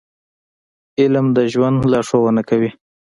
• علم د ژوند لارښوونه کوي.